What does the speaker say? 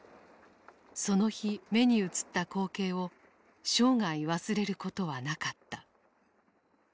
その日目に映った光景を生涯忘れることはなかった。